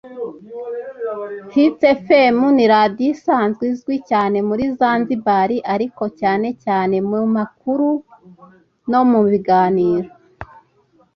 Hits Fm ni Radiyo isanzwe izwi cyane muri zanzibar ariko cyane cyane mu makuru no mu biganiro